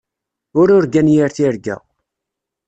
Ur urgan yir tirga.